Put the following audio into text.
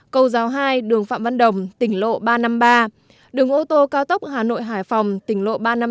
cầu giáo hai đường phạm văn đồng tỉnh lộ ba trăm năm mươi ba đường ô tô cao tốc hà nội hải phòng tỉnh lộ ba trăm năm mươi bốn